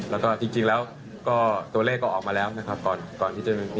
แล้วก็จริงแล้วก็ตัวเลขก็ออกมาแล้วนะครับ